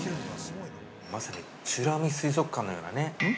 ◆まさに美ら海水族館のようなね◆ん？